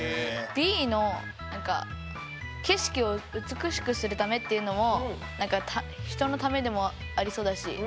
Ｂの景色を美しくするためっていうのも人のためでもありそうだし。